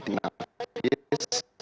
tidak ada kondisi